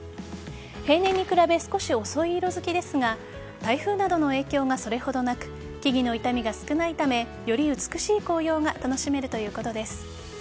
平年に比べ少し遅い色付きですが台風などの影響がそれほどなく木々の傷みが少ないためより美しい紅葉が楽しめるということです。